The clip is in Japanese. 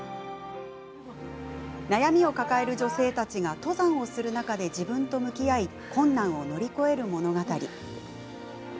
悩みを抱える女性たちが登山をする中で自分と向き合い困難を乗り越える物語。